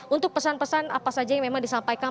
untuk pesan pesan apa saja yang memang disampaikan